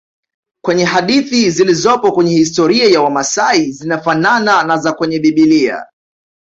Kwenye hadithi zilizopo kwenye historia ya wamasai zinazofanana na za kwenye bibilia